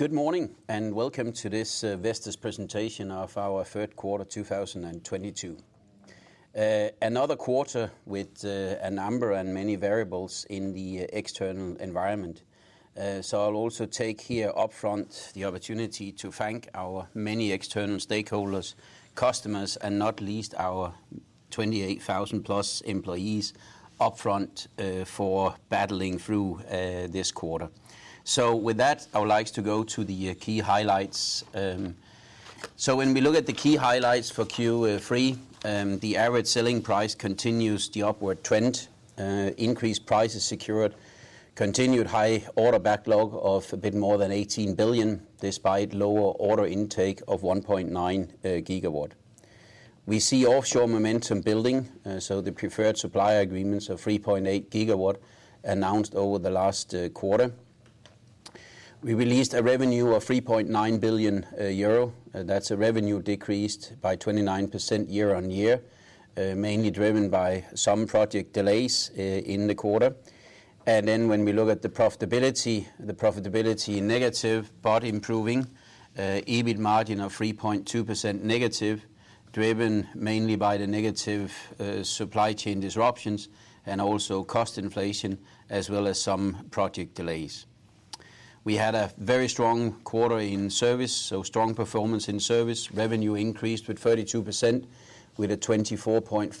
Good morning, and welcome to this Vestas Presentation of our Third Quarter 2022. Another quarter with a number and many variables in the external environment. I'll also take here upfront the opportunity to thank our many external stakeholders, customers, and not least our 28,000+ employees upfront for battling through this quarter. With that, I would like to go to the key highlights. When we look at the key highlights for Q3, the average selling price continues the upward trend. Increased prices secured. Continued high order backlog of a bit more than 18 billion, despite lower order intake of 1.9 GW. We see offshore momentum building, so the preferred supplier agreements of 3.8 GW announced over the last quarter. We released a revenue of 3.9 billion euro. That's a revenue decreased by 29% year-on-year, mainly driven by some project delays in the quarter. When we look at the profitability, the profitability negative but improving. EBIT margin of 3.2% negative, driven mainly by the negative supply chain disruptions and also cost inflation as well as some project delays. We had a very strong quarter in service, so strong performance in service. Revenue increased with 32% with a 24.5%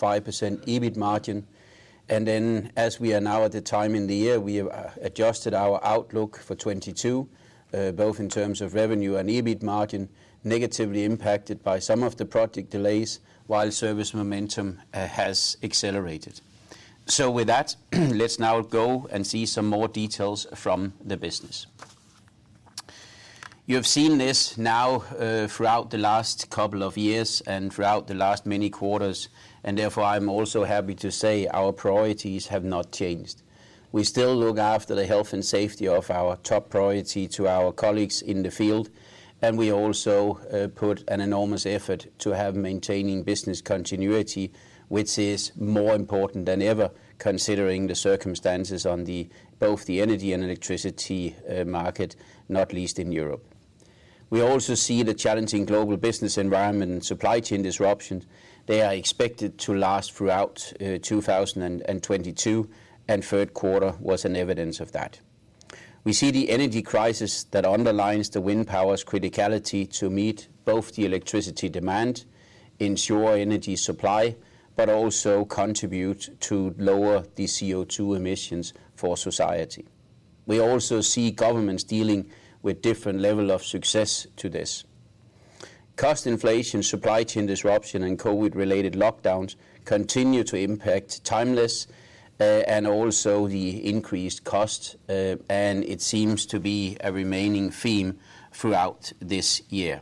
EBIT margin. As we are now at this time of the year, we have adjusted our outlook for 2022, both in terms of revenue and EBIT margin, negatively impacted by some of the project delays while service momentum has accelerated. With that, let's now go and see some more details from the business. You have seen this now throughout the last couple of years and throughout the last many quarters, and therefore I'm also happy to say our priorities have not changed. We still look after the health and safety of our top priority to our colleagues in the field, and we also put an enormous effort to have maintaining business continuity, which is more important than ever considering the circumstances on both the energy and electricity market, not least in Europe. We also see the challenging global business environment and supply chain disruptions. They are expected to last throughout 2022, and third quarter was an evidence of that. We see the energy crisis that underlines the wind power's criticality to meet both the electricity demand, ensure energy supply, but also contribute to lower the CO2 emissions for society. We also see governments dealing with different level of success with this. Cost inflation, supply chain disruption, and COVID-related lockdowns continue to impact timelines, and also the increased cost, and it seems to be a remaining theme throughout this year.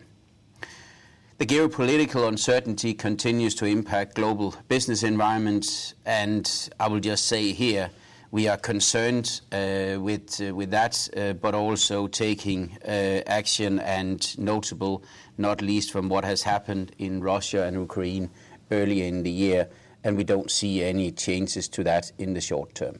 The geopolitical uncertainty continues to impact global business environments, and I will just say here we are concerned with that, but also taking action, notably, not least from what has happened in Russia and Ukraine earlier in the year, and we don't see any changes to that in the short term.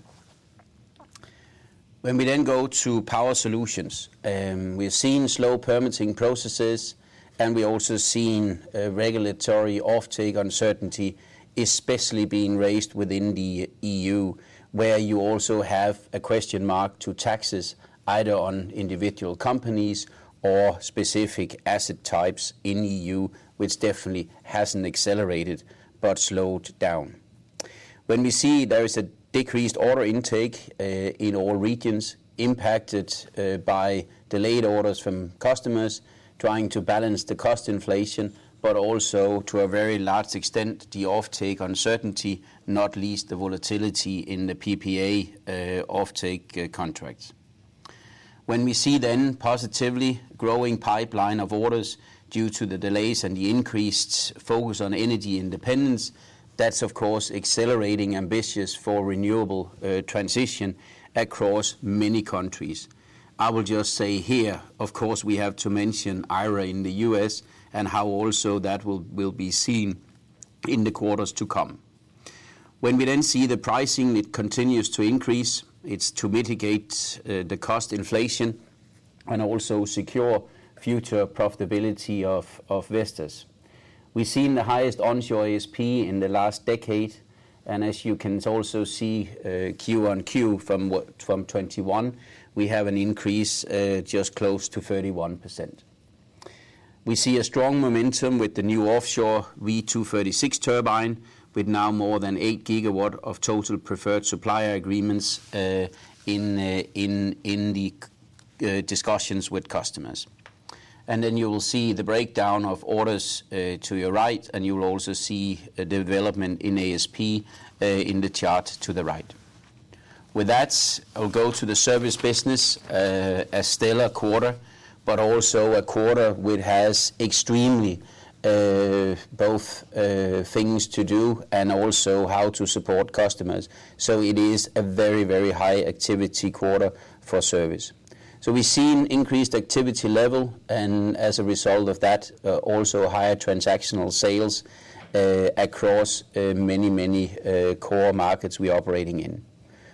When we then go to Power Solutions, we're seeing slow permitting processes, and we're also seeing regulatory offtake uncertainty, especially being raised within the EU, where you also have a question mark to taxes, either on individual companies or specific asset types in EU, which definitely hasn't accelerated but slowed down. When we see there is a decreased order intake in all regions impacted by delayed orders from customers trying to balance the cost inflation, but also to a very large extent the offtake uncertainty, not least the volatility in the PPA offtake contracts. When we see then positively growing pipeline of orders due to the delays and the increased focus on energy independence, that's of course accelerating ambitions for renewable transition across many countries. I will just say here, of course, we have to mention IRA in the US and how also that will be seen in the quarters to come. When we then see the pricing, it continues to increase. It's to mitigate the cost inflation and also secure future profitability of Vestas. We've seen the highest onshore ASP in the last decade, and as you can also see, Q-on-Q from 2021, we have an increase just close to 31%. We see a strong momentum with the new offshore V236 turbine with now more than 8 GW of total preferred supplier agreements in the discussions with customers. You will see the breakdown of orders to your right, and you will also see a development in ASP in the chart to the right. With that, I'll go to the service business. A stellar quarter, but also a quarter which has extremely both things to do and also how to support customers. It is a very high activity quarter for service. We've seen increased activity level, and as a result of that, also higher transactional sales across many core markets we're operating in.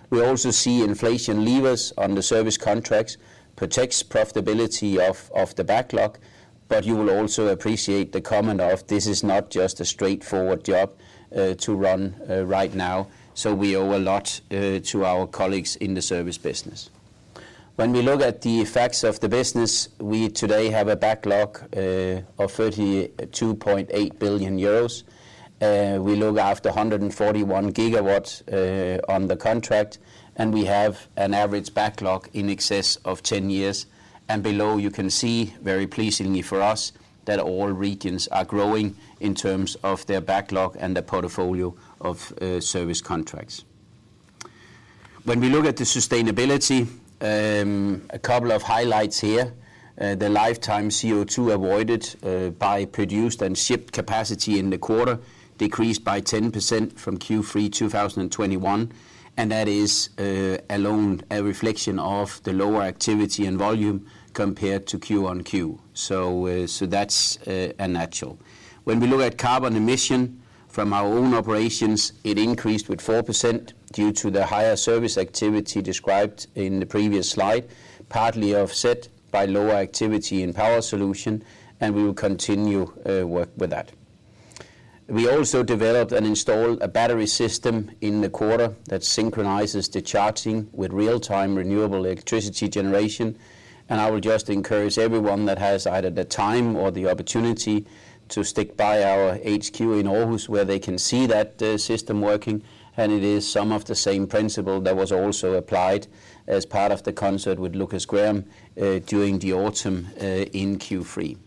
We also see inflation levers on the service contracts, protects profitability of the backlog, but you will also appreciate the comment of this is not just a straightforward job to run right now. We owe a lot to our colleagues in the service business. When we look at the effects of the business, we today have a backlog of 32.8 billion euros. We look after 141 gigawatts on the contract, and we have an average backlog in excess of 10 years. Below, you can see, very pleasingly for us, that all regions are growing in terms of their backlog and their portfolio of service contracts. When we look at the sustainability, a couple of highlights here. The lifetime CO2 avoided by produced and shipped capacity in the quarter decreased by 10% from Q3 2021, and that is alone a reflection of the lower activity and volume compared to Q-on-Q. That's unnatural. When we look at carbon emission from our own operations, it increased with 4% due to the higher service activity described in the previous slide, partly offset by lower activity in Power Solutions, and we will continue work with that. We also developed and installed a battery system in the quarter that synchronizes the charging with real-time renewable electricity generation. I will just encourage everyone that has either the time or the opportunity to stick by our HQ in Aarhus, where they can see that system working. It is some of the same principle that was also applied as part of the concert with Lukas Graham during the autumn in Q3.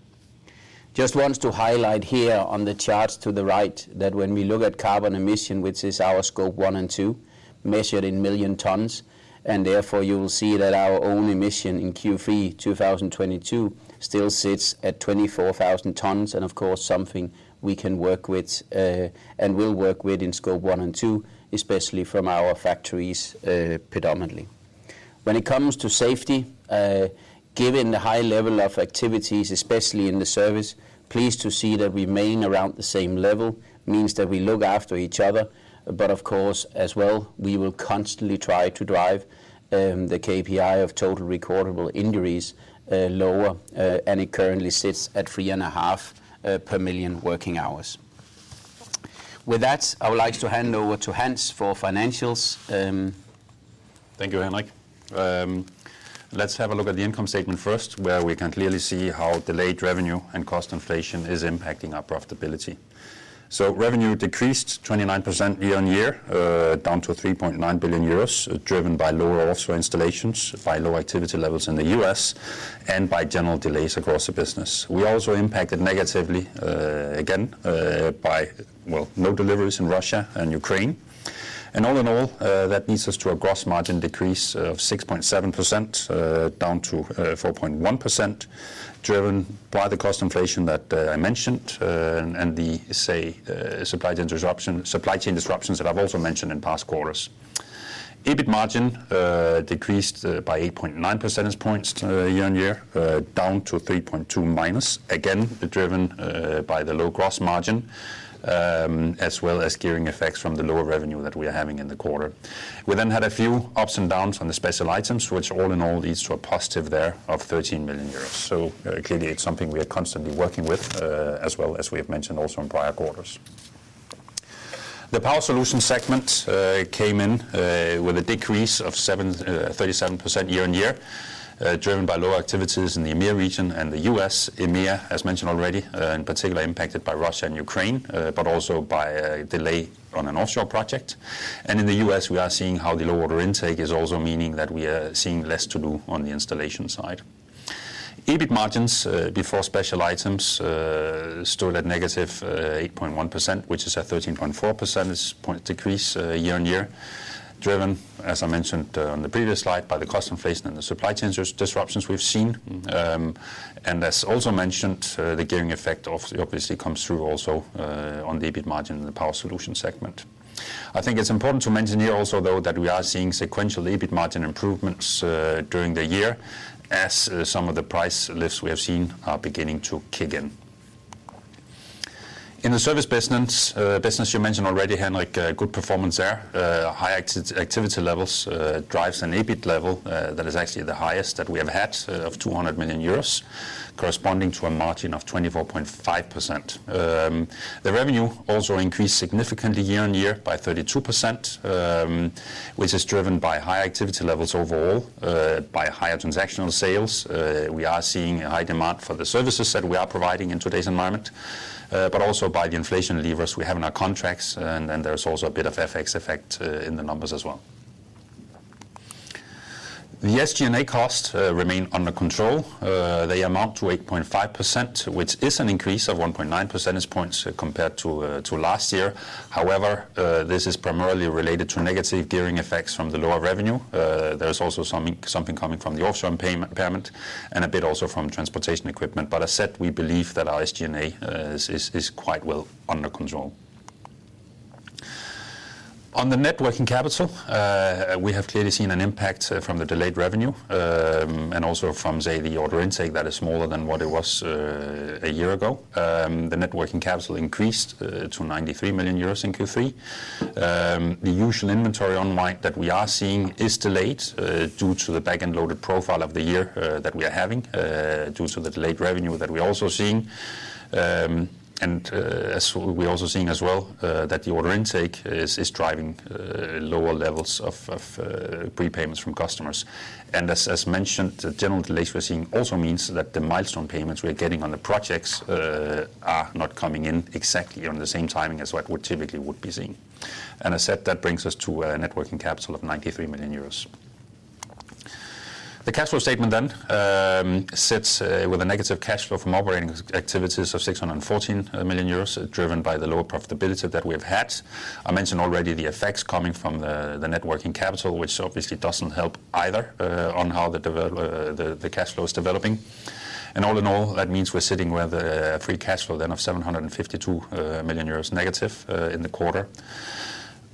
Just want to highlight here on the chart to the right that when we look at carbon emission, which is our Scope 1 and 2, measured in million tons, and therefore you will see that our own emission in Q3 2022 still sits at 24,000 tons, and of course, something we can work with, and will work with in Scope 1 and 2, especially from our factories, predominantly. When it comes to safety, given the high level of activities, especially in the service, pleased to see that we remain around the same level, means that we look after each other. Of course, as well, we will constantly try to drive the KPI of total recordable injuries lower, and it currently sits at 3.5 per million working hours. With that, I would like to hand over to Hans for financials. Thank you, Henrik. Let's have a look at the income statement first, where we can clearly see how delayed revenue and cost inflation is impacting our profitability. Revenue decreased 29% year-over-year, down to 3.9 billion euros, driven by lower offshore installations, by low activity levels in the US, and by general delays across the business. We also impacted negatively, again, by, well, no deliveries in Russia and Ukraine. All in all, that leads us to a gross margin decrease of 6.7%, down to 4.1%, driven by the cost inflation that I mentioned, and the, say, supply chain disruptions that I've also mentioned in past quarters. EBIT margin decreased by 8.9 percentage points, year-on-year, down to -3.2%, again driven by the low gross margin, as well as gearing effects from the lower revenue that we are having in the quarter. We then had a few ups and downs on the special items, which all in all leads to a positive there of 13 million euros. Clearly it's something we are constantly working with, as well as we have mentioned also in prior quarters. The Power Solutions segment came in with a decrease of 37% year-on-year, driven by lower activities in the EMEA region and the US. EMEA, as mentioned already, in particular impacted by Russia and Ukraine, but also by a delay on an offshore project. In the US, we are seeing how the low order intake is also meaning that we are seeing less to do on the installation side. EBIT margins before special items stood at negative 8.1%, which is a 13.4 percentage point decrease year-on-year, driven, as I mentioned, on the previous slide, by the cost inflation and the supply chain disruptions we've seen. As also mentioned, the gearing effect obviously comes through also on the EBIT margin in the Power Solutions segment. I think it's important to mention here also, though, that we are seeing sequential EBIT margin improvements during the year as some of the price lifts we have seen are beginning to kick in. In the service business, you mentioned already, Henrik, good performance there. High activity levels drives an EBIT level that is actually the highest that we have had of 200 million euros, corresponding to a margin of 24.5%. The revenue also increased significantly year-on-year by 32%, which is driven by high activity levels overall, by higher transactional sales. We are seeing a high demand for the services that we are providing in today's environment, but also by the inflation levers we have in our contracts. There's also a bit of FX effect in the numbers as well. The SG&A costs remain under control. They amount to 8.5%, which is an increase of 1.9 percentage points compared to last year. However, this is primarily related to negative gearing effects from the lower revenue. There's also some income coming from the offshore payment and a bit also from transportation equipment. As said, we believe that our SG&A is quite well under control. On the net working capital, we have clearly seen an impact from the delayed revenue and also from the order intake that is smaller than what it was a year ago. The net working capital increased to 93 million euros in Q3. The usual inventory build that we are seeing is delayed due to the back-end loaded profile of the year that we are having due to the delayed revenue that we're also seeing. As we're also seeing as well, the order intake is driving lower levels of prepayments from customers. As mentioned, the general delays we're seeing also means that the milestone payments we're getting on the projects are not coming in exactly on the same timing as what we typically would be seeing. I said that brings us to a net working capital of 93 million euros. The cash flow statement then sits with a negative cash flow from operating activities of 614 million euros, driven by the lower profitability that we have had. I mentioned already the effects coming from the net working capital, which obviously doesn't help either on how the cash flow is developing. All in all, that means we're sitting with a free cash flow then of 752 million euros negative in the quarter.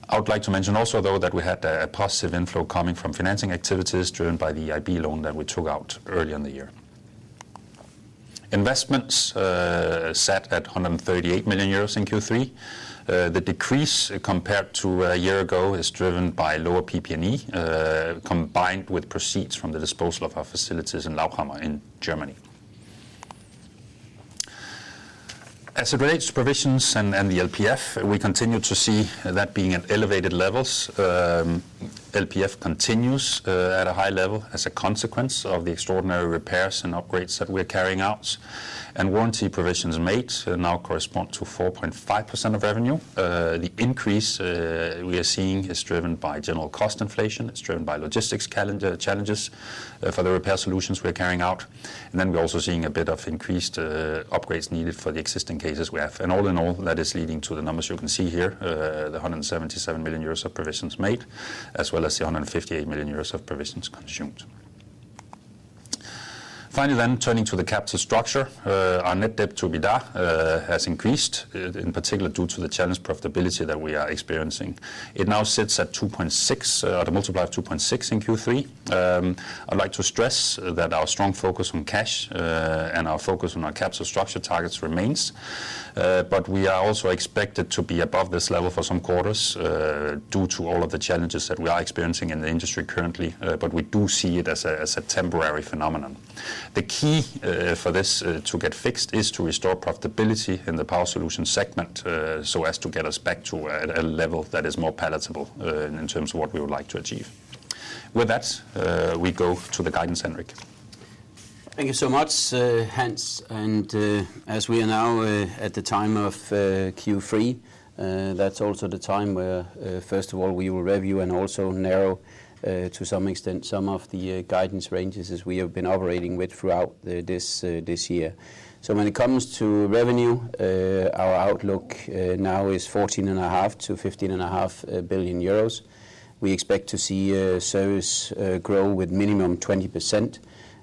I would like to mention also, though, that we had a positive inflow coming from financing activities driven by the EIB loan that we took out early in the year. Investments set at 138 million euros in Q3. The decrease compared to a year ago is driven by lower PP&E combined with proceeds from the disposal of our facilities in Lauchhammer in Germany. As it relates to provisions and the LPF, we continue to see that being at elevated levels. LPF continues at a high level as a consequence of the extraordinary repairs and upgrades that we're carrying out. Warranty provisions made now correspond to 4.5% of revenue. The increase we are seeing is driven by general cost inflation. It's driven by logistics calendar challenges for the repair solutions we are carrying out. We're also seeing a bit of increased upgrades needed for the existing cases we have. That is leading to the numbers you can see here, the 177 million euros of provisions made, as well as the 158 million euros of provisions consumed. Turning to the capital structure. Our net debt to EBITDA has increased, in particular due to the challenged profitability that we are experiencing. It now sits at 2.6x, at a multiplier of 2.6x in Q3. I'd like to stress that our strong focus on cash and our focus on our capital structure targets remains. We are also expected to be above this level for some quarters, due to all of the challenges that we are experiencing in the industry currently, but we do see it as a temporary phenomenon. The key for this to get fixed is to restore profitability in the Power Solutions segment, so as to get us back to a level that is more palatable, in terms of what we would like to achieve. With that, we go to the guidance, Henrik. Thank you so much, Hans. As we are now at the time of Q3, that's also the time where first of all, we will review and also narrow to some extent some of the guidance ranges as we have been operating with throughout this year. When it comes to revenue, our outlook now is 14.5 billion euros to EUR 15.5 billion. We expect to see service grow with minimum 20%,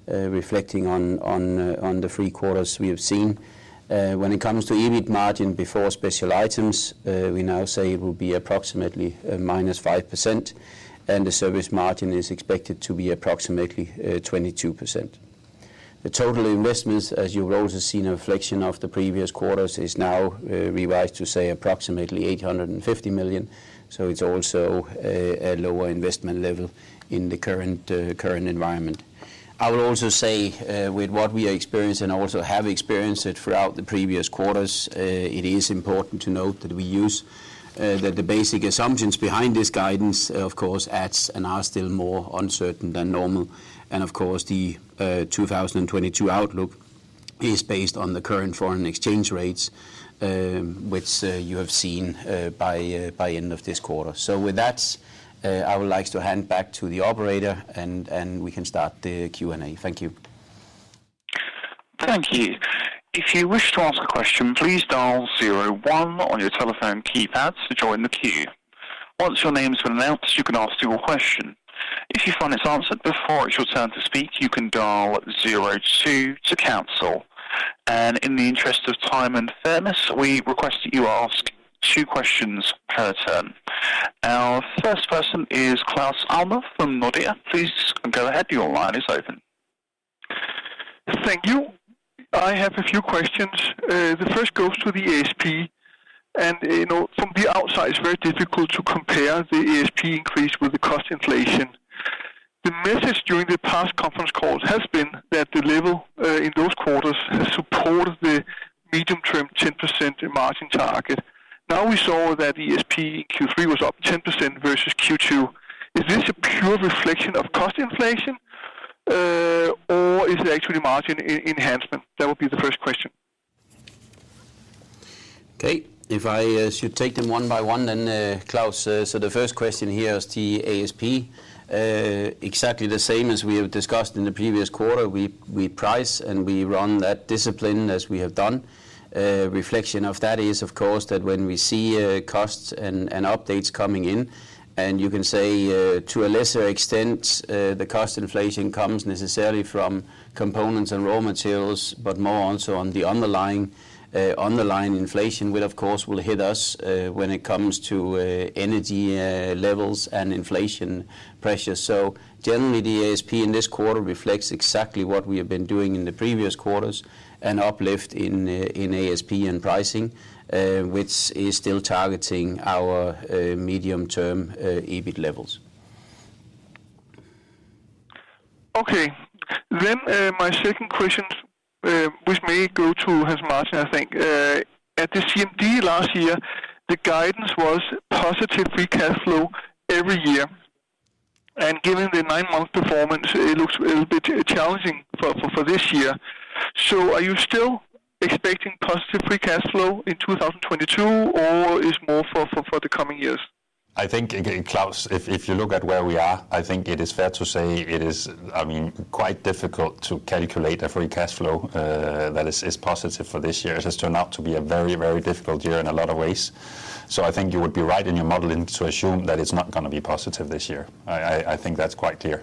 reflecting on the three quarters we have seen. When it comes to EBIT margin before special items, we now say it will be approximately -5%, and the service margin is expected to be approximately 22%. The total investments, as you've also seen a reflection of the previous quarters, is now revised to, say, approximately 850 million. It's also a lower investment level in the current environment. I will also say, with what we are experiencing and also have experienced it throughout the previous quarters, it is important to note that the basic assumptions behind this guidance, of course, as are still more uncertain than normal. Of course, the 2022 outlook is based on the current foreign exchange rates, which you have seen by end of this quarter. With that, I would like to hand back to the operator and we can start the Q&A. Thank you. Thank you. If you wish to ask a question, please dial zero one on your telephone keypad to join the queue. Once your name has been announced, you can ask your question. If you find it's answered before it's your turn to speak, you can dial zero two to cancel. In the interest of time and fairness, we request that you ask two questions per turn. Our first person is Claus Almer from Nordea. Please go ahead. Your line is open. Thank you. I have a few questions. The first goes to the ASP. You know, from the outside, it's very difficult to compare the ASP increase with the cost inflation. The message during the past conference calls has been that the level in those quarters has supported the medium-term 10% margin target. Now, we saw that the ASP in Q3 was up 10% versus Q2. Is this a pure reflection of cost inflation, or is it actually margin enhancement? That would be the first question. Okay. If I should take them one by one, then, Claus. The first question here is the ASP. Exactly the same as we have discussed in the previous quarter. We price and we run that discipline as we have done. Reflection of that is, of course, that when we see costs and updates coming in. You can say, to a lesser extent, the cost inflation comes necessarily from components and raw materials, but more also on the underlying inflation, which of course will hit us, when it comes to energy levels and inflation pressure. Generally, the ASP in this quarter reflects exactly what we have been doing in the previous quarters, an uplift in ASP and pricing, which is still targeting our medium term EBIT levels. Okay. My second question, which may go to Hans Martin, I think. At the CMD last year, the guidance was positive free cash flow every year. Given the 9-month performance, it looks a little bit challenging for this year. Are you still expecting positive free cash flow in 2022, or is it more for the coming years? I think, again, Claus, if you look at where we are, I think it is fair to say it is, I mean, quite difficult to calculate a free cash flow that is positive for this year. It has turned out to be a very difficult year in a lot of ways. I think you would be right in your modeling to assume that it's not gonna be positive this year. I think that's quite clear.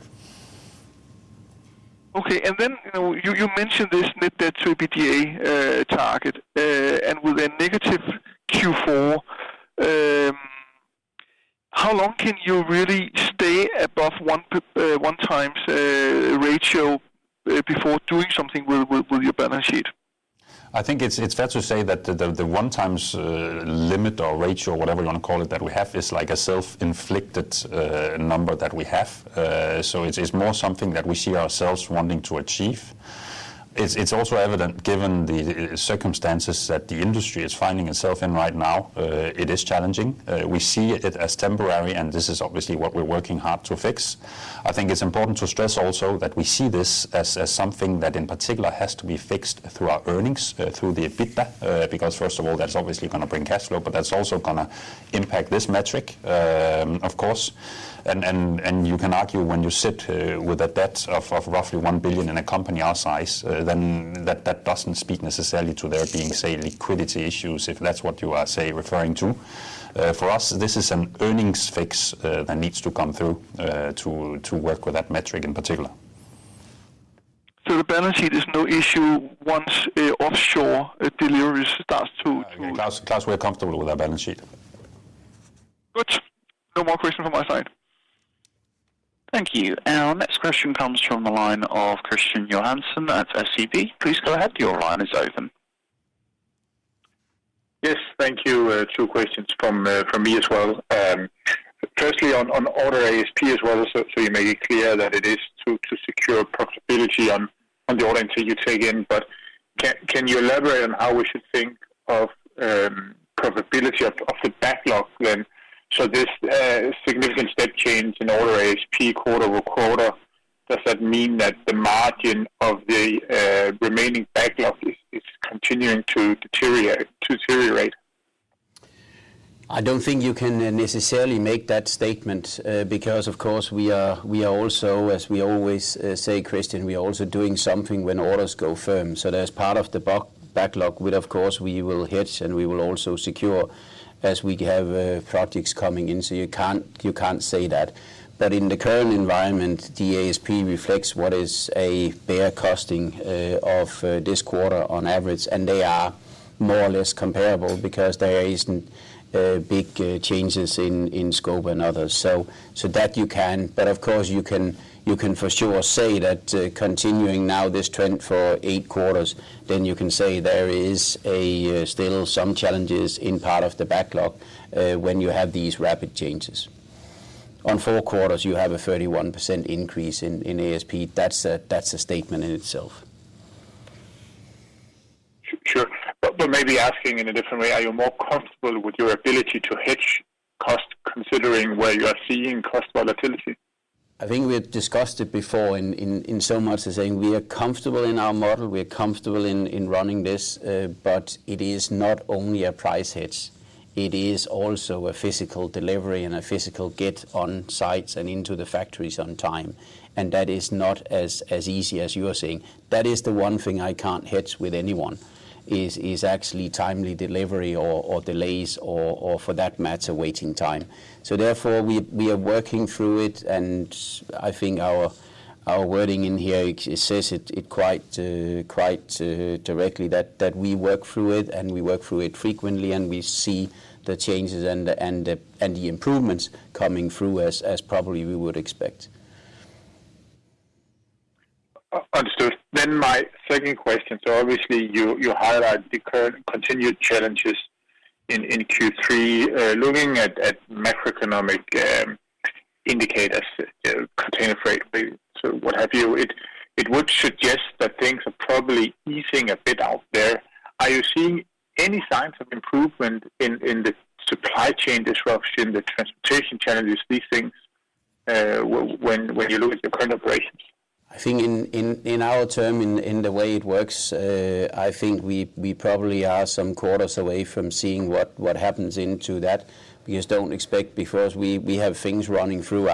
Okay. You know, you mentioned this net debt to EBITDA target, and with a negative Q4, how long can you really stay above 1x ratio before doing something with your balance sheet? I think it's fair to say that the one times limit or ratio, whatever you wanna call it, that we have, is like a self-inflicted number that we have. It's more something that we see ourselves wanting to achieve. It's also evident given the circumstances that the industry is finding itself in right now, it is challenging. We see it as temporary, and this is obviously what we're working hard to fix. I think it's important to stress also that we see this as something that in particular has to be fixed through our earnings, through the EBITDA. Because first of all, that's obviously gonna bring cash flow, but that's also gonna impact this metric, of course. You can argue when you sit with a debt of roughly 1 billion in a company our size, then that doesn't speak necessarily to there being, say, liquidity issues, if that's what you are, say, referring to. For us, this is an earnings fix that needs to come through to work with that metric in particular. The balance sheet is no issue once offshore deliveries starts to. Claus, we're comfortable with our balance sheet. Good. No more questions from my side. Thank you. Our next question comes from the line of Kristian Tornøe Johansen at SEB. Please go ahead, your line is open. Yes. Thank you. Two questions from me as well. Firstly, on order ASP as well. You made it clear that it is to secure profitability on the orders that you take in. Can you elaborate on how we should think of profitability of the backlog then? This significant step change in order ASP quarter-over-quarter, does that mean that the margin of the remaining backlog is continuing to deteriorate? I don't think you can necessarily make that statement, because of course, we are also, as we always say, Kristian, we are also doing something when orders go firm. That's part of the backlog, with of course we will hedge and we will also secure as we have projects coming in. You can't say that. In the current environment, the ASP reflects what is a fair costing of this quarter on average, and they are more or less comparable because there isn't big changes in scope and others. So that you can. Of course you can for sure say that, continuing now this trend for eight quarters, then you can say there is still some challenges in part of the backlog when you have these rapid changes. Over four quarters, you have a 31% increase in ASP. That's a statement in itself. Sure. Maybe asking in a different way, are you more comfortable with your ability to hedge cost considering where you are seeing cost volatility? I think we have discussed it before in so much as saying we are comfortable in our model. We are comfortable in running this, but it is not only a price hedge. It is also a physical delivery and a physical kit on sites and into the factories on time. That is not as easy as you are saying. That is the one thing I can't hedge with anyone, is actually timely delivery or delays, or for that matter, waiting time. Therefore, we are working through it, and I think our wording in here says it quite directly that we work through it and we work through it frequently, and we see the changes and the improvements coming through as probably we would expect. Understood. My second question. Obviously you highlight the current continued challenges in Q3. Looking at macroeconomic indicators, container freight rates, and what have you, it would suggest that things are probably easing a bit out there. Are you seeing any signs of improvement in the supply chain disruption, the transportation challenges, these things, when you look at your current operations? I think in our term, in the way it works, I think we probably are some quarters away from seeing what happens into that, because don't expect before we have things running through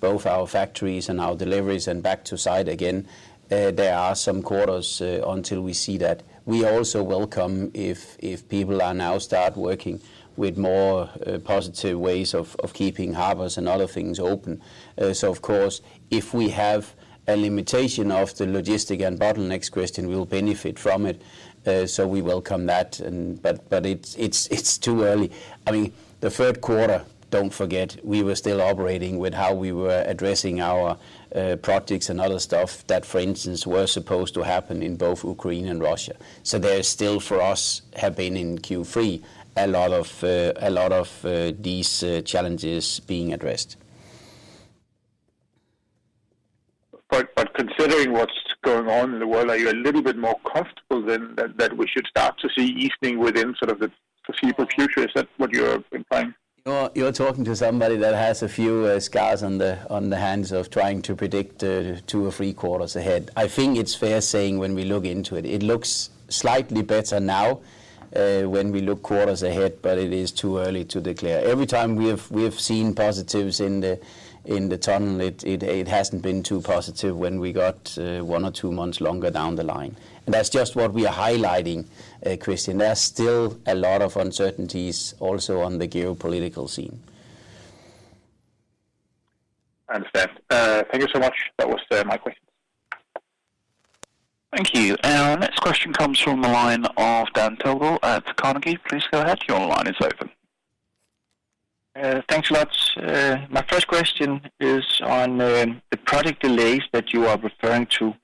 both our factories and our deliveries and back to site again. There are some quarters until we see that. We also welcome if people now start working with more positive ways of keeping harbors and other things open. Of course, if we have a limitation of the logistics and bottleneck question, we'll benefit from it. We welcome that. It's too early. I mean, the third quarter, don't forget, we were still operating with how we were addressing our projects and other stuff that for instance, were supposed to happen in both Ukraine and Russia. There's still for us have been in Q3, a lot of these challenges being addressed. considering what's going on in the world, are you a little bit more comfortable than that we should start to see easing within sort of the foreseeable future? Is that what you're implying? You're talking to somebody that has a few scars on the hands of trying to predict two or three quarters ahead. I think it's fair saying when we look into it. It looks slightly better now when we look quarters ahead, but it is too early to declare. Every time we have seen positives in the tunnel, it hasn't been too positive when we got one or two months longer down the line. That's just what we are highlighting, Kristian. There are still a lot of uncertainties also on the geopolitical scene. I understand. Thank you so much. That was my question. Thank you. Our next question comes from the line of Dan Togo Jensen at Carnegie. Please go ahead, your line is open. Thanks a lot. My first question is on the project delays that you are referring to.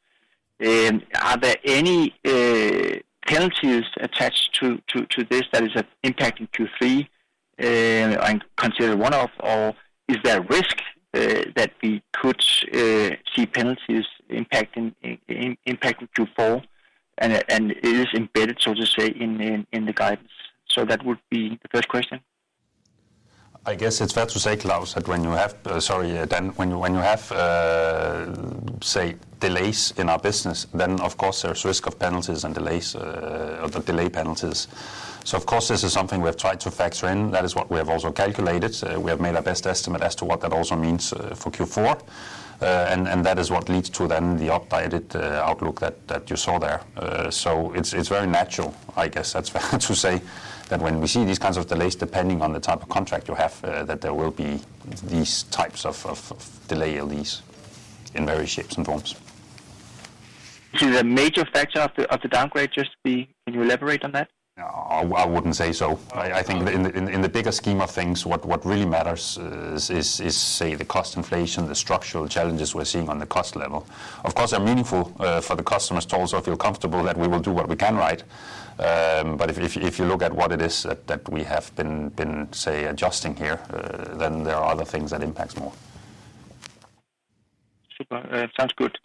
Are there any penalties attached to this that is impacting Q3 and considered one-off? Or is there risk that we could see penalties impacting Q4, and it is embedded, so to say, in the guidance? That would be the first question. I guess it's fair to say, Dan, that when you have, say, delays in our business, then of course there's risk of penalties and delays, or the delay penalties. Of course, this is something we have tried to factor in. That is what we have also calculated. We have made our best estimate as to what that also means for Q4. That is what leads to the updated outlook that you saw there. It's very natural, I guess that's fair to say that when we see these kinds of delays, depending on the type of contract you have, that there will be these types of delay at least in various shapes and forms. The major factor of the downgrade. Can you elaborate on that? No, I wouldn't say so. I think in the bigger scheme of things, what really matters is, say, the cost inflation, the structural challenges we're seeing on the cost level. Of course, they're meaningful for the customers to also feel comfortable that we will do what we can, right. But if you look at what it is that we have been, say, adjusting here, then there are other things that impacts more. Super. Sounds good.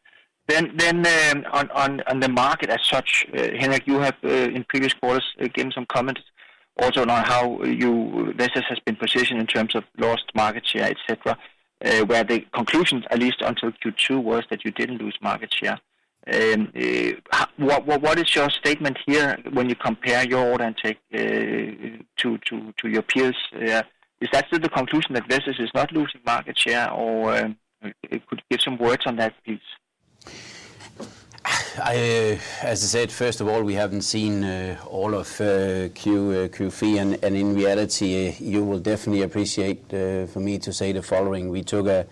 On the market as such, Henrik, you have in previous quarters given some comments also on how you, Vestas has been positioned in terms of lost market share, et cetera, where the conclusions, at least until Q2, was that you didn't lose market share. What is your statement here when you compare your order intake to your peers? Is that still the conclusion that Vestas is not losing market share? Or could you give some words on that please? As I said, first of all, we haven't seen all of Q3. In reality, you will definitely appreciate for me to say the following. We took a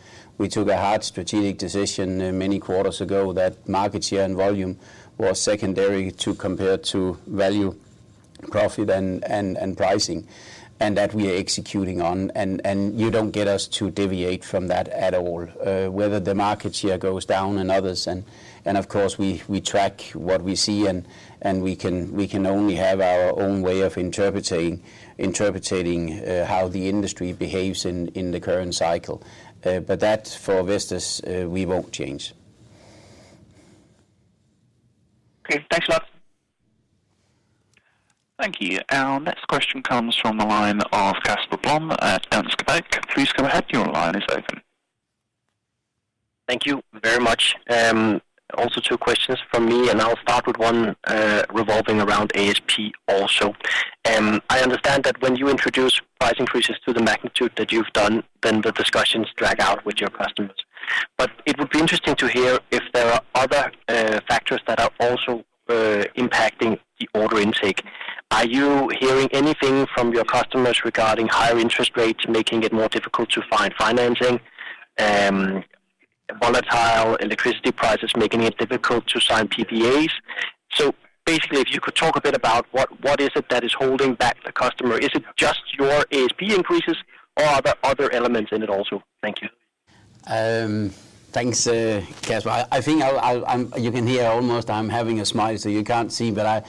hard strategic decision many quarters ago that market share and volume was secondary to compare to value, profit and pricing, and that we are executing on. You don't get us to deviate from that at all. Whether the market share goes down and others, of course, we track what we see and we can only have our own way of interpreting how the industry behaves in the current cycle. But that for Vestas, we won't change. Okay. Thanks a lot. Thank you. Our next question comes from the line of Casper Blom at Danske Bank. Please go ahead, your line is open. Thank you very much. Also two questions from me, and I'll start with one, revolving around ASP also. I understand that when you introduce price increases to the magnitude that you've done, then the discussions drag out with your customers. It would be interesting to hear if there are other factors that are also impacting the order intake. Are you hearing anything from your customers regarding higher interest rates, making it more difficult to find financing? Volatile electricity prices, making it difficult to sign PPAs? Basically, if you could talk a bit about what is it that is holding back the customer? Is it just your ASP increases or are there other elements in it also? Thank you. Thanks, Casper. I think you can almost hear I'm having a smile, so you can't see, but I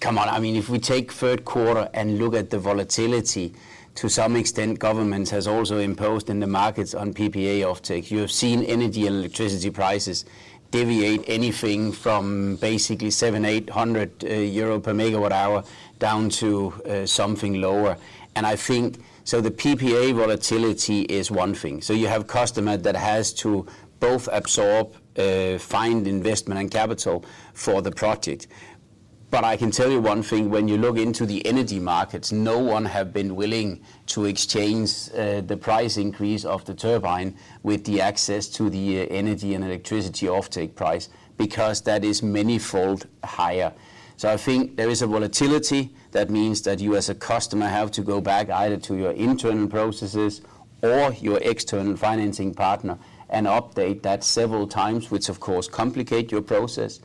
come on. I mean, if we take third quarter and look at the volatility, to some extent, governments has also imposed in the markets on PPA offtake. You have seen energy and electricity prices deviate anything from basically 700 euro to 800 euro per megawatt hour down to something lower. I think the PPA volatility is one thing. You have customer that has to both absorb, find investment and capital for the project. I can tell you one thing, when you look into the energy markets, no one have been willing to exchange the price increase of the turbine with the access to the energy and electricity offtake price, because that is manifold higher. I think there is a volatility that means that you as a customer have to go back either to your internal processes or your external financing partner and update that several times, which of course complicate your process.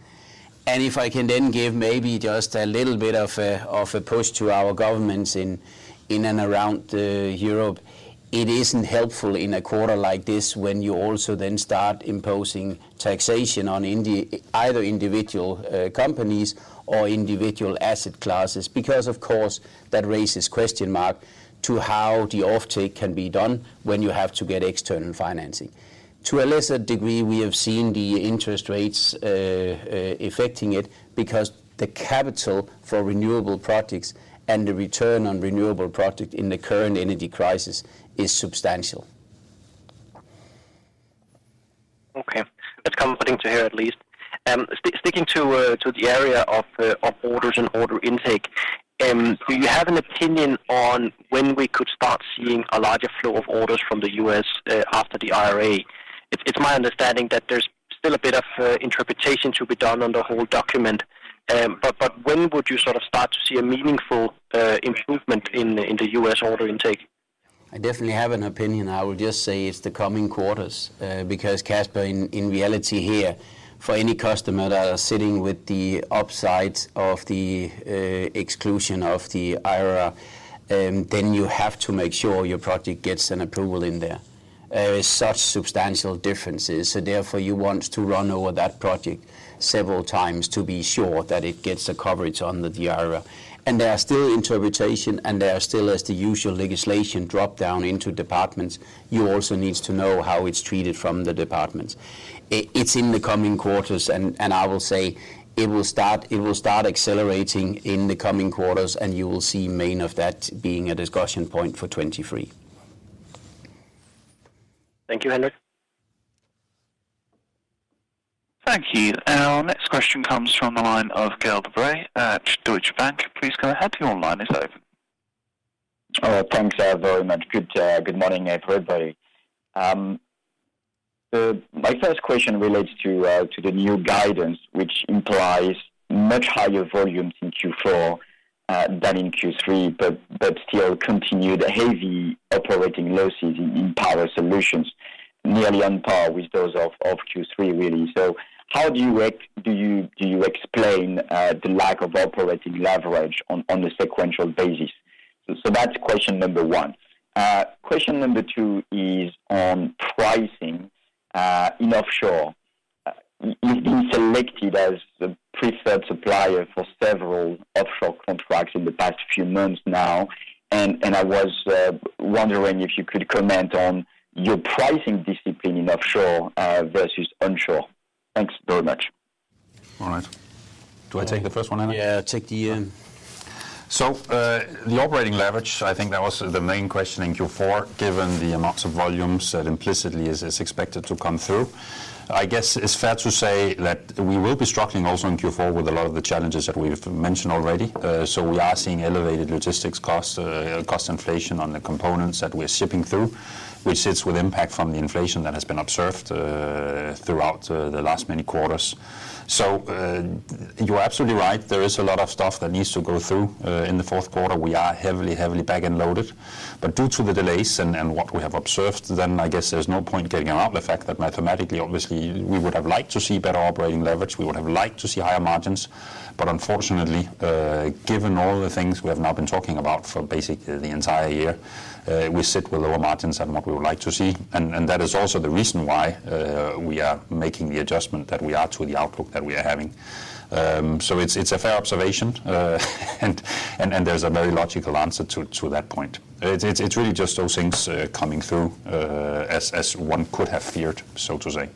If I can then give maybe just a little bit of a push to our governments in and around Europe, it isn't helpful in a quarter like this when you also then start imposing taxation on either individual companies or individual asset classes. Because of course, that raises questions as to how the offtake can be done when you have to get external financing. To a lesser degree, we have seen the interest rates affecting it because the capital for renewable projects and the return on renewable projects in the current energy crisis is substantial. Okay. That's comforting to hear at least. Sticking to the area of orders and order intake, do you have an opinion on when we could start seeing a larger flow of orders from the US after the IRA? It's my understanding that there's still a bit of interpretation to be done on the whole document. When would you sort of start to see a meaningful improvement in the US order intake? I definitely have an opinion. I would just say it's the coming quarters. Because Casper, in reality here, for any customer that are sitting with the upsides of the exclusion of the IRA, then you have to make sure your project gets an approval in there. There is such substantial differences, so therefore you want to run over that project several times to be sure that it gets the coverage under the IRA. There are still interpretation, and there are still, as the usual legislation, drop down into departments. You also needs to know how it's treated from the departments. It's in the coming quarters, and I will say it will start accelerating in the coming quarters, and you will see main of that being a discussion point for 2023. Thank you, Henrik. Thank you. Our next question comes from the line of Gael de Bray at Deutsche Bank. Please go ahead, your line is open. Thanks very much. Good morning, everybody. My first question relates to the new guidance, which implies much higher volumes in Q4 than in Q3, but still continued heavy operating losses in Power Solutions, nearly on par with those of Q3, really. How do you explain the lack of operating leverage on a sequential basis? That's question number one. Question number two is on pricing in offshore. You've been selected as the preferred supplier for several offshore contracts in the past few months now, and I was wondering if you could comment on your pricing discipline in offshore versus onshore. Thanks very much. All right. Do I take the first one, Henrik? Yeah, take the... The operating leverage, I think that was the main question in Q4, given the amounts of volumes that implicitly is expected to come through. I guess it's fair to say that we will be struggling also in Q4 with a lot of the challenges that we've mentioned already. We are seeing elevated logistics costs, cost inflation on the components that we're shipping through, which sits with impact from the inflation that has been observed throughout the last many quarters. You are absolutely right. There is a lot of stuff that needs to go through in the fourth quarter. We are heavily back and loaded. But due to the delays and what we have observed, then I guess there's no point getting around the fact that mathematically, obviously, we would have liked to see better operating leverage. We would have liked to see higher margins. Unfortunately, given all the things we have now been talking about for basically the entire year, we sit with lower margins than what we would like to see. That is also the reason why we are making the adjustment that we are to the outlook that we are having. It's a fair observation. There's a very logical answer to that point. It's really just those things coming through, as one could have feared, so to say.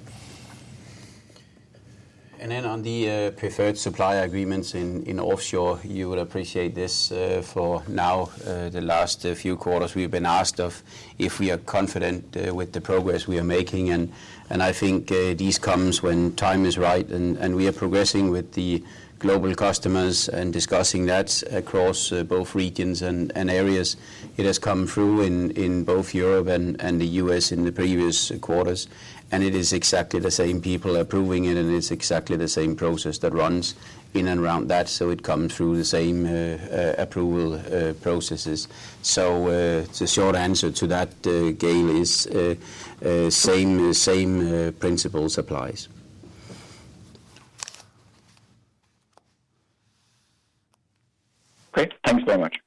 On the preferred supplier agreements in offshore, you will appreciate this. For now, the last few quarters, we've been asked if we are confident with the progress we are making. I think this comes when time is right and we are progressing with the global customers and discussing that across both regions and areas. It has come through in both Europe and the US in the previous quarters. It is exactly the same people approving it, and it's exactly the same process that runs in and around that, so it comes through the same approval processes. The short answer to that, Gael, is same principles applies. Great. Thanks very much.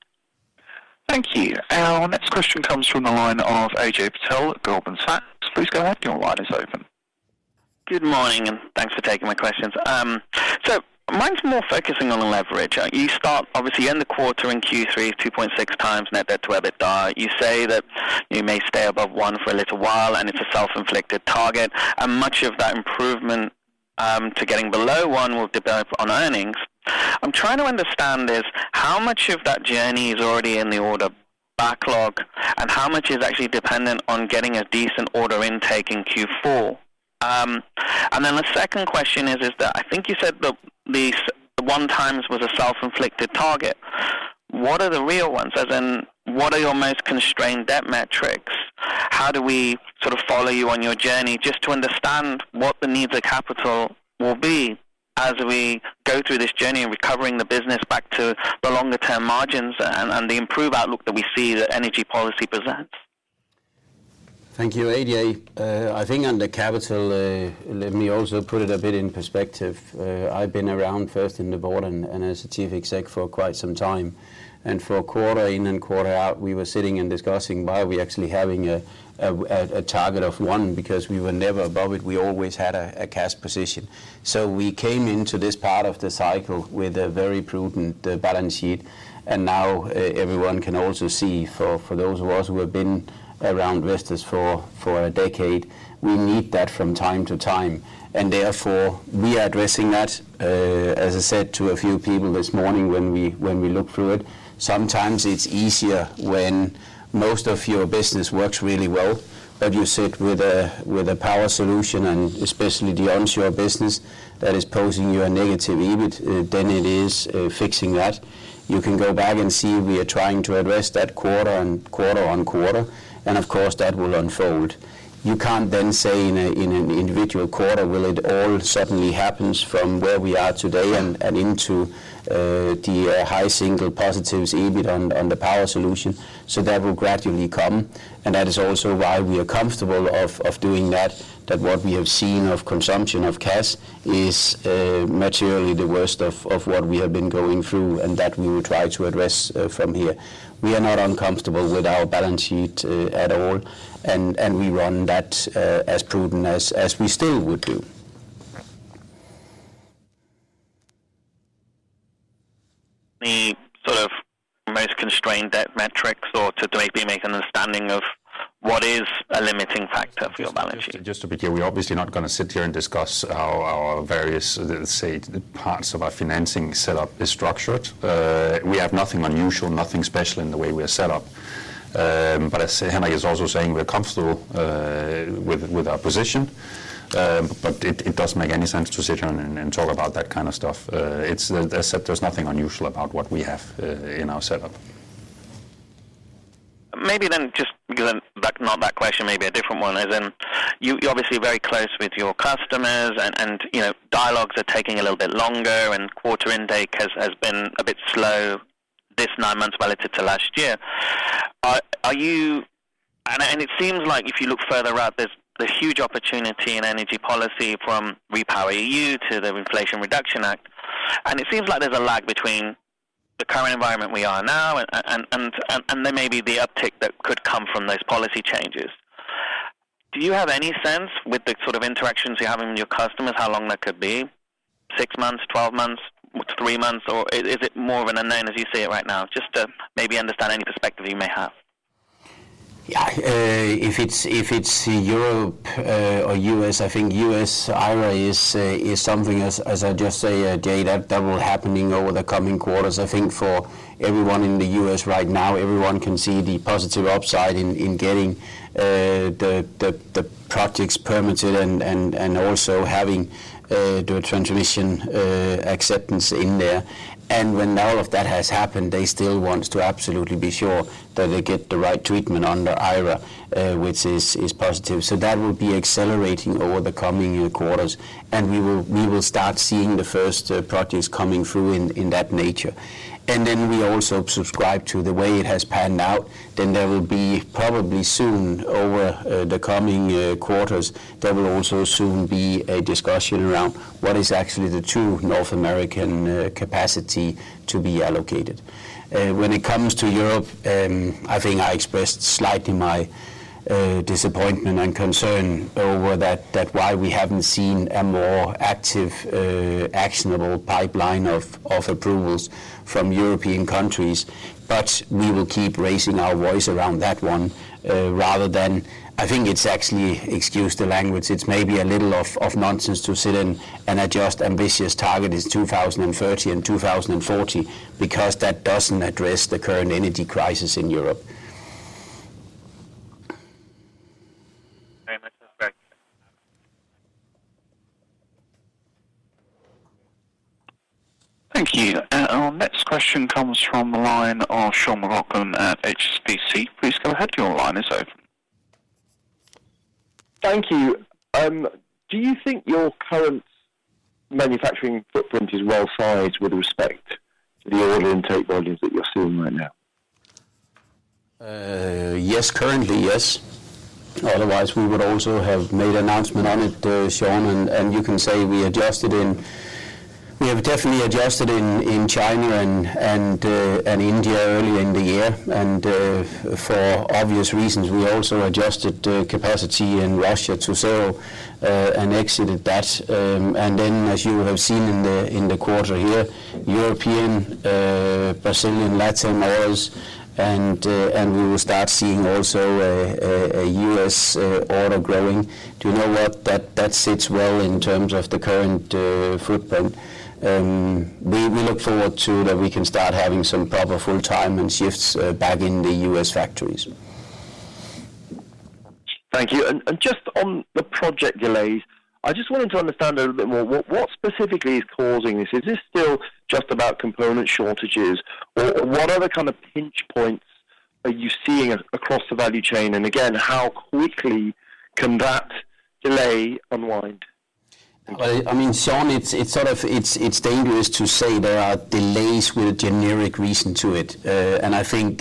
Thank you. Our next question comes from the line of Ajay Patel at Goldman Sachs. Please go ahead. Your line is open. Good morning, and thanks for taking my questions. So mine's more focusing on the leverage. You start, obviously, end the quarter in Q3 2.6x net debt to EBITDA. You say that you may stay above one for a little while, and it's a self-inflicted target, and much of that improvement to getting below one will develop on earnings. I'm trying to understand this. How much of that journey is already in the order book backlog, and how much is actually dependent on getting a decent order intake in Q4? And then the second question is, I think you said the these 1x was a self-inflicted target. What are the real ones? As in, what are your most constrained debt metrics? How do we sort of follow you on your journey just to understand what the needs of capital will be as we go through this journey of recovering the business back to the longer term margins and the improved outlook that we see that energy policy presents? Thank you, Ajay. I think under capital, let me also put it a bit in perspective. I've been around first in the board and as a chief exec for quite some time. For quarter in and quarter out, we were sitting and discussing why are we actually having a target of one because we were never above it. We always had a cash position. So we came into this part of the cycle with a very prudent balance sheet. Now everyone can also see for those of us who have been around Vestas for a decade, we need that from time to time. Therefore, we are addressing that. As I said to a few people this morning when we looked through it, sometimes it's easier when most of your business works really well. You sit with a power solution and especially the onshore business that is posing you a negative EBIT than it is fixing that. You can go back and see we are trying to address that quarter on quarter on quarter, and of course, that will unfold. You can't then say in an individual quarter, will it all suddenly happens from where we are today and into the high single positives EBIT on the power solution. That will gradually come. That is also why we are comfortable of doing that what we have seen of consumption of cash is materially the worst of what we have been going through, and that we will try to address from here. We are not uncomfortable with our balance sheet at all, and we run that as prudent as we still would do. The sort of most constrained debt metrics or to maybe make an understanding of what is a limiting factor for your balance sheet? Just to be clear, we're obviously not gonna sit here and discuss how our various, let's say, parts of our financing set up is structured. We have nothing unusual, nothing special in the way we are set up. As Henrik is also saying, we're comfortable with our position. It doesn't make any sense to sit here and talk about that kind of stuff. It's as said, there's nothing unusual about what we have in our setup. Maybe then just give them back, not that question, maybe a different one. As in, you're obviously very close with your customers and, you know, dialogues are taking a little bit longer and order intake has been a bit slow these nine months relative to last year. Are you? It seems like if you look further out, there's the huge opportunity in energy policy from REPowerEU to the Inflation Reduction Act. It seems like there's a lag between the current environment we are now and there may be the uptick that could come from those policy changes. Do you have any sense with the sort of interactions you're having with your customers, how long that could be? Six months, twelve months, three months, or is it more of an unknown as you see it right now? Just to maybe understand any perspective you may have. Yeah. If it's Europe or US, I think US IRA is something, as I just said, a tailwind that will be happening over the coming quarters. I think for everyone in the US right now, everyone can see the positive upside in getting the projects permitted and also having the transmission acceptance in there. When all of that has happened, they still want to absolutely be sure that they get the right treatment under IRA, which is positive. That will be accelerating over the coming quarters. We will start seeing the first projects coming through in that nature. We also subscribe to the way it has panned out. Then there will probably soon, over the coming quarters, be a discussion around what is actually the true North American capacity to be allocated. When it comes to Europe, I think I expressed slightly my disappointment and concern over that, why we haven't seen a more active actionable pipeline of approvals from European countries. We will keep raising our voice around that one, rather than. I think it's actually, excuse the language, it's maybe a little bit of nonsense to sitting and adjusting ambitious targets to 2030 and 2040, because that doesn't address the current energy crisis in Europe. Very much. Thanks. Thank you. Our next question comes from the line of Sean McLoughlin at HSBC. Please go ahead. Your line is open. Thank you. Do you think your current manufacturing footprint is well-sized with respect to the order intake volumes that you're seeing right now? Yes. Currently, yes. Otherwise, we would also have made announcement on it, Sean, and you can say we have definitely adjusted in China and India earlier in the year. For obvious reasons, we also adjusted the capacity in Russia to zero and exited that. As you have seen in the quarter here, European, Brazilian, LatAm orders, and we will start seeing also a US order growing. You know what? That sits well in terms of the current footprint. We look forward to that we can start having some proper full-time and shifts back in the US factories. Thank you. Just on the project delays, I just wanted to understand a little bit more what specifically is causing this? Is this still just about component shortages? Or what other kind of pinch points are you seeing across the value chain? Again, how quickly can that delay unwind? Well, I mean, Sean, it's sort of. It's dangerous to say there are delays with a generic reason to it. I think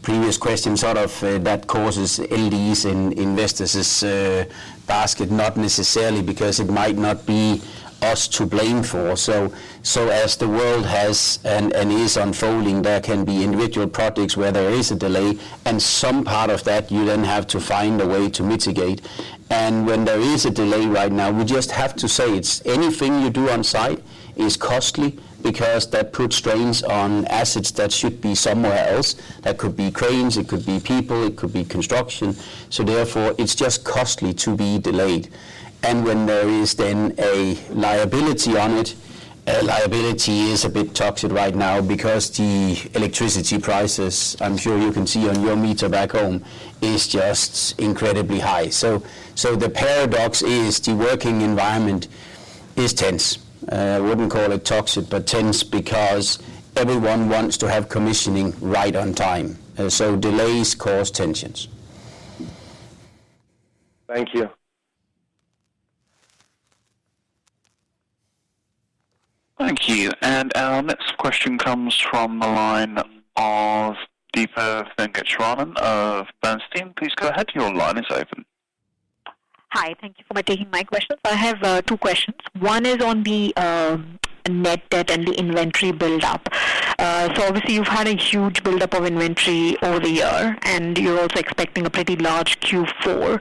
previous questions sort of that causes LDs in investors' basket, not necessarily because it might not be us to blame for. As the world has and is unfolding, there can be individual projects where there is a delay and some part of that you then have to find a way to mitigate. When there is a delay right now, we just have to say it's anything you do on site is costly because that puts strains on assets that should be somewhere else. That could be cranes, it could be people, it could be construction. Therefore, it's just costly to be delayed. When there is then a liability on it, liability is a bit toxic right now because the electricity prices, I'm sure you can see on your meter back home, is just incredibly high. The paradox is the working environment is tense. I wouldn't call it toxic, but tense because everyone wants to have commissioning right on time. Delays cause tensions. Thank you. Thank you. Our next question comes from the line of Deepa Venkateswaran of Bernstein. Please go ahead. Your line is open. Hi. Thank you for taking my question. I have two questions. One is on the net debt and the inventory build-up. So obviously you've had a huge build-up of inventory over the year, and you're also expecting a pretty large Q4.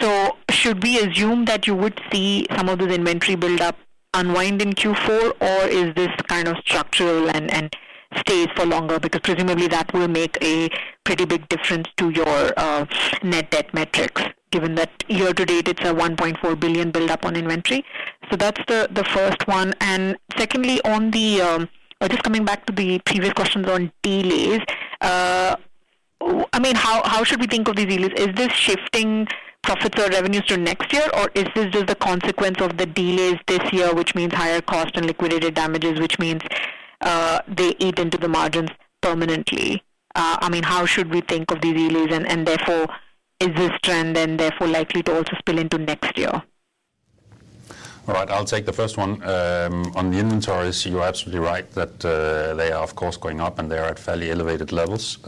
So should we assume that you would see some of this inventory build-up unwind in Q4, or is this kind of structural and stays for longer? Because presumably that will make a pretty big difference to your net debt metrics, given that year to date it's a 1.4 billion build-up on inventory. So that's the first one. Secondly, on the... Just coming back to the previous questions on delays. I mean, how should we think of these delays? Is this shifting profits or revenues to next year, or is this just a consequence of the delays this year, which means higher cost and liquidated damages, which means, they eat into the margins permanently? I mean, how should we think of these delays and therefore is this trend then therefore likely to also spill into next year? All right, I'll take the first one. On the inventories, you're absolutely right that they are of course going up and they are at fairly elevated levels.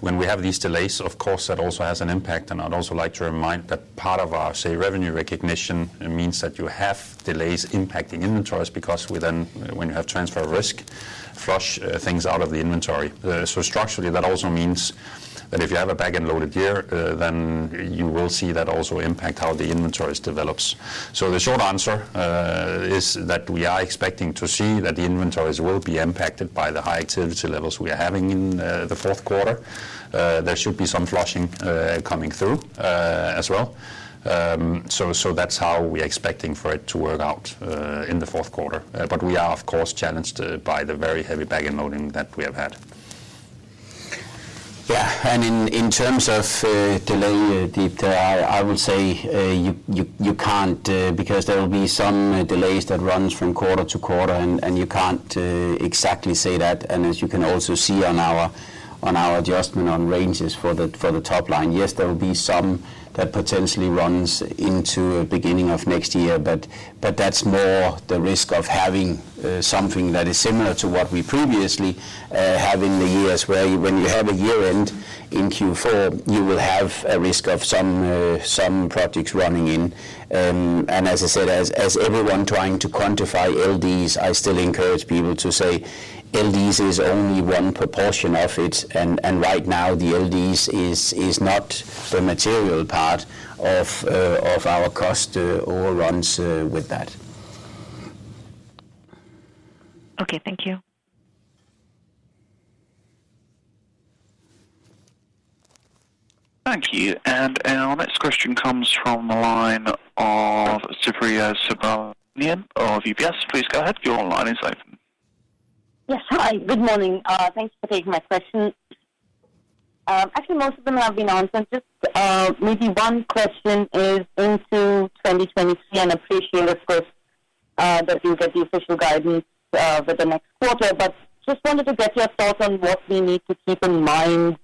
When we have these delays, of course, that also has an impact. I'd also like to remind that part of our, say, revenue recognition means that you have delays impacting inventories because we then, when you have transfer of risk, flush things out of the inventory. Structurally, that also means that if you have a back-end loaded year, then you will see that also impact how the inventories develops. The short answer is that we are expecting to see that the inventories will be impacted by the high activity levels we are having in the fourth quarter. There should be some flushing coming through as well. That's how we're expecting for it to work out in the fourth quarter. We are of course challenged by the very heavy back-end loading that we have had. Yeah. In terms of delay, Deepa, I would say you can't because there will be some delays that run from quarter to quarter and you can't exactly say that. As you can also see on our adjustment on ranges for the top line, yes, there will be some that potentially run into beginning of next year, but that's more the risk of having something that is similar to what we previously have in the years where when you have a year end in Q4, you will have a risk of some projects running in. As I said, as everyone trying to quantify LDs, I still encourage people to say LDs is only one proportion of it. Right now the LDs is not the material part of our cost overruns with that. Okay. Thank you. Thank you. Our next question comes from the line of Supriya Subramanian of UBS. Please go ahead. Your line is open. Yes. Hi. Good morning. Thanks for taking my question. Actually, most of them have been answered. Just, maybe one question is into 2023, and appreciate, of course, that we'll get the official guidance for the next quarter. Just wanted to get your thoughts on what we need to keep in mind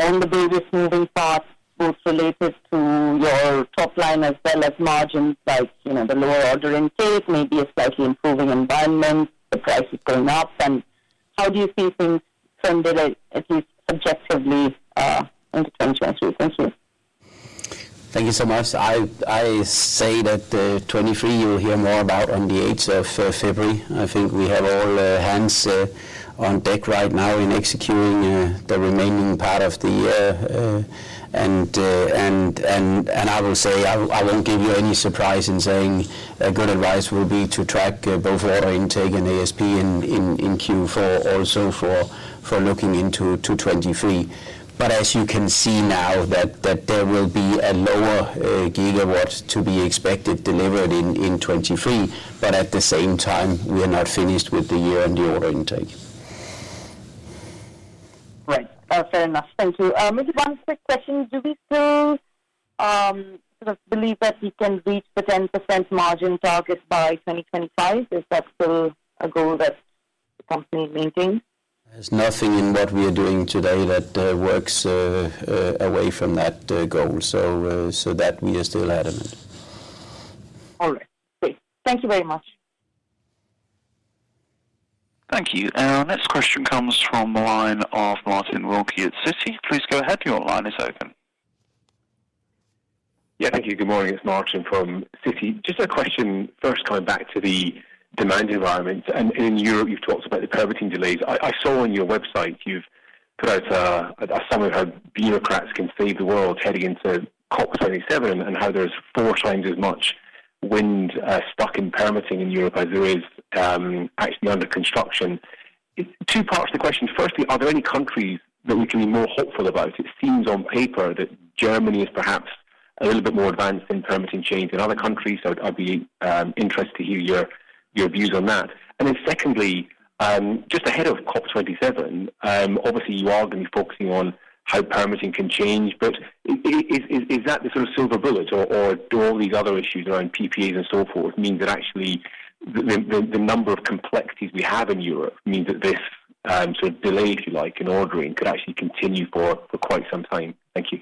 on the business moving parts, both related to your top line as well as margins, like, you know, the lower order intake, maybe a slightly improving environment, the price is going up, and how do you see things trending, at least objectively, into 2023? Thank you. Thank you so much. I say that 2023 you'll hear more about on the 8th of February. I think we have all hands on deck right now in executing the remaining part of the year. I will say I won't give you any surprise in saying a good advice will be to track both our intake and ASP in Q4 also for looking into 2023. As you can see now that there will be a lower gigawatts to be expected delivered in 2023. At the same time, we are not finished with the year and the order intake. Right. Fair enough. Thank you. Maybe one quick question. Do we still believe that we can reach the 10% margin target by 2025? Is that still a goal that the company is maintaining? There's nothing in what we are doing today that works away from that goal. That we are still adamant. All right. Great. Thank you very much. Thank you. Our next question comes from the line of Martin Wilkie at Citi. Please go ahead, your line is open. Yeah, thank you. Good morning. It's Martin from Citi. Just a question, first, going back to the demand environment. In Europe, you've talked about the permitting delays. I saw on your website you've put out a summary of how bureaucrats can save the world heading into COP27, and how there's four times as much wind stuck in permitting in Europe as there is actually under construction. Two parts to the question. Firstly, are there any countries that we can be more hopeful about? It seems on paper that Germany is perhaps a little bit more advanced in permitting change than other countries. I'd be interested to hear your views on that. Secondly, just ahead of COP27, obviously you are gonna be focusing on how permitting can change, but is that the sort of silver bullet or do all these other issues around PPAs and so forth mean that actually the number of complexities we have in Europe means that this sort of delay, if you like, in ordering could actually continue for quite some time? Thank you.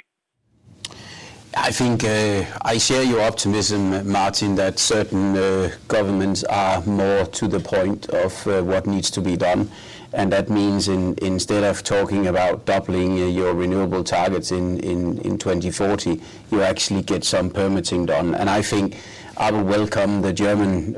I think I share your optimism, Martin, that certain governments are more to the point of what needs to be done. That means instead of talking about doubling your renewable targets in 2040, you actually get some permitting done. I think I will welcome the German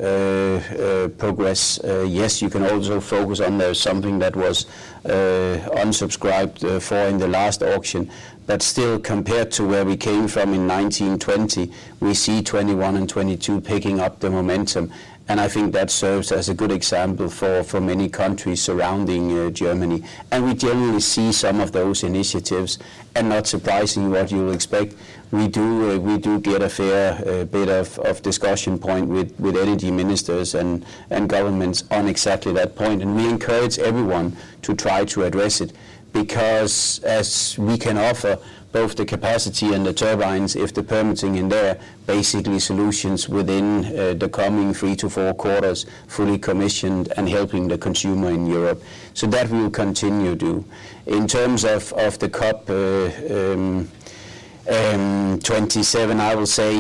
progress. Yes, you can also focus on something that was unsubscribed following the last auction, but still, compared to where we came from in 2019-2020, we see 2021 and 2022 picking up the momentum. I think that serves as a good example for many countries surrounding Germany. We generally see some of those initiatives. Not surprisingly, what you would expect, we get a fair bit of discussion point with energy ministers and governments on exactly that point. We encourage everyone to try to address it, because as we can offer both the capacity and the turbines, if the permitting is there, basically solutions within the coming three to four quarters, fully commissioned and helping the consumer in Europe. We will continue to. In terms of the COP27, I will say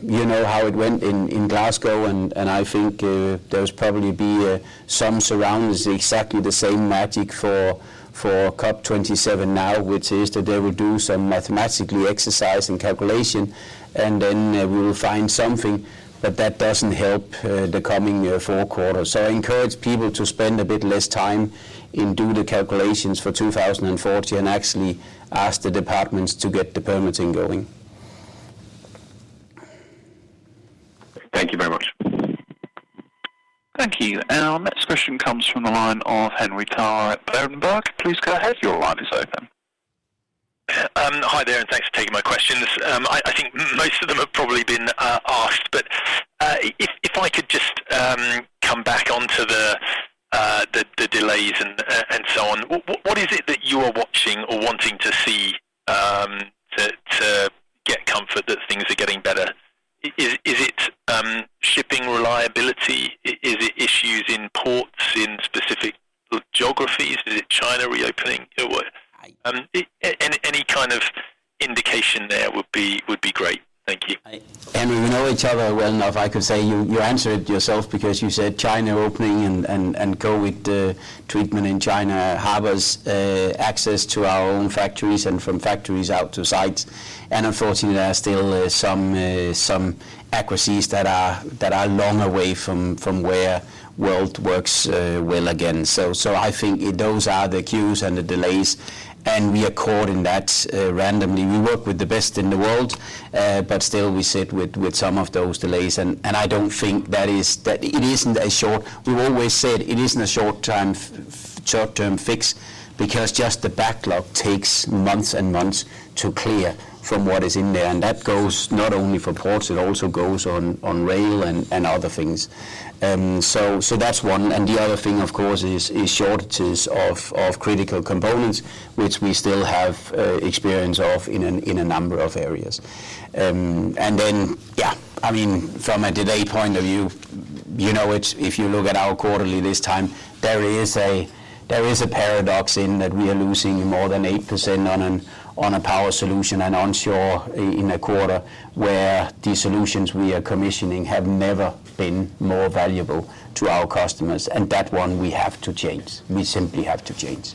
you know how it went in Glasgow, and I think there's probably some sort of exactly the same magic for COP27 now, which is that they will do some mathematical exercise and calculation and then we will find something, but that doesn't help the coming four quarters. I encourage people to spend a bit less time in doing the calculations for 2040 and actually ask the departments to get the permitting going. Thank you very much. Thank you. Our next question comes from the line of Henry Tarr at Berenberg. Please go ahead. Your line is open. Hi there, and thanks for taking my questions. I think most of them have probably been asked, but if I could just come back onto the delays and so on. What is it that you are watching or wanting to see to get comfort that things are getting better? Is it shipping reliability? Is it issues in ports in specific geographies? Is it China reopening? Or what? Any kind of indication there would be great. Thank you. Henry, we know each other well enough. I could say you answered yourself because you said China opening and COVID treatment in China hampers access to our own factories and from factories out to sites. Unfortunately, there are still some activities that are a long way from where the world works well again. I think those are the queues and the delays, and we are caught in that randomly. We work with the best in the world, but still we sit with some of those delays. I don't think that it isn't a short-term fix. We've always said it isn't a short-term fix because just the backlog takes months and months to clear from what is in there. That goes not only for ports, it also goes on rail and other things. That's one. The other thing, of course, is shortages of critical components, which we still have experience of in a number of areas. From a delay point of view, I mean, you know, if you look at our quarterly this time, there is a paradox in that we are losing more than 8% on a Power Solutions and onshore in a quarter where the solutions we are commissioning have never been more valuable to our customers. That one we have to change. We simply have to change.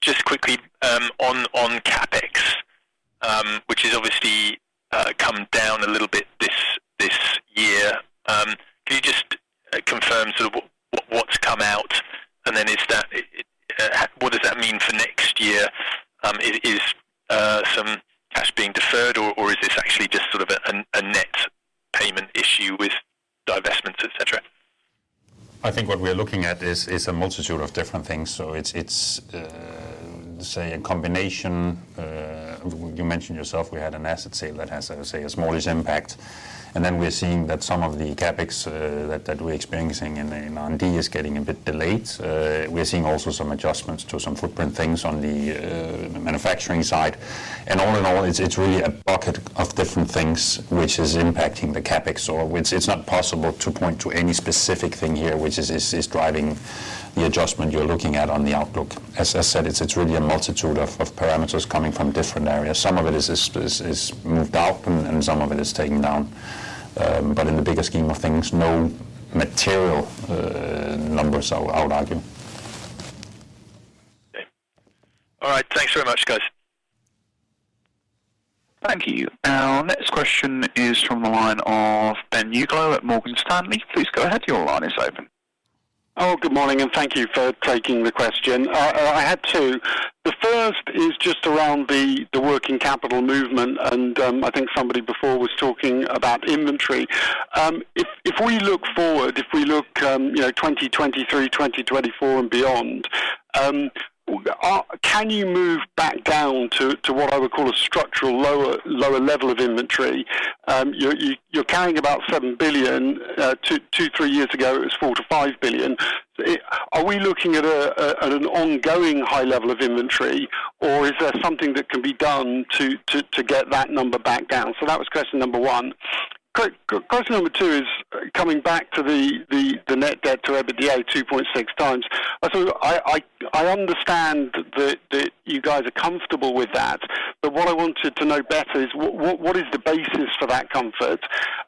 Just quickly on CapEx, which has obviously come down a little bit this year. Can you just confirm sort of what's come out, and then what does that mean for next year? Is some cash being deferred or is this actually just sort of a net payment issue with divestments and so on? I think what we are looking at is a multitude of different things. It's say a combination. You mentioned yourself, we had an asset sale that has say a smallish impact. Then we're seeing that some of the CapEx that we're experiencing in R&D is getting a bit delayed. We're seeing also some adjustments to some footprint things on the manufacturing side. All in all, it's really a bucket of different things which is impacting the CapEx, or it's not possible to point to any specific thing here which is driving the adjustment you're looking at on the outlook. As I said, it's really a multitude of parameters coming from different areas. Some of it is moved out and some of it is taken down. In the bigger scheme of things, no material numbers. I'll argue. Okay. All right. Thanks very much, guys. Thank you. Our next question is from the line of Ben Uglow at Morgan Stanley. Please go ahead. Your line is open. Oh, good morning, and thank you for taking the question. I had two. The first is just around the working capital movement, and I think somebody before was talking about inventory. If we look forward, you know, 2023, 2024 and beyond, can you move back down to what I would call a structural lower level of inventory? You are carrying about 7 billion. Two or three years ago, it was 4 billion-5 billion. Are we looking at an ongoing high level of inventory, or is there something that can be done to get that number back down? That was question number one. Question number two is coming back to the net debt to EBITDA 2.6 times. I understand that you guys are comfortable with that. What I wanted to know better is what is the basis for that comfort?